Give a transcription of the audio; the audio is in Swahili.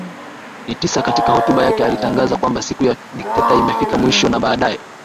na tisa Katika hotuba yake alitangaza kwamba Siku ya dikteta imefikia mwisho na baadaye